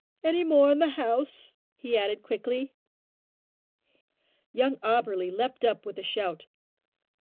Any more in the house?" he added quickly. Young Auberly leaped up with a shout.